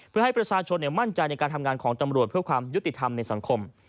เพื่อให้ประชาชนมั่นใจในการทำงานของตำรวจเพื่อความยุติธรรมในสังคม